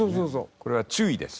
これは注意です。